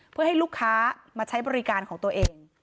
เพื่อให้ลูกค้ามาใช้บริการของตัวเอง